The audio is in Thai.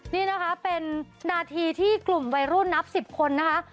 นี่นะคะเป็นนาทีที่กลุ่มวัยรุ่นนับ๑๐คนนะคะ